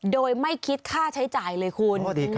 โดยไม่คิดค่าใช้จ่ายเลยคุณ